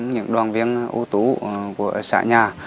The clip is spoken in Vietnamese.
những đoàn viên ưu tú của xã nhà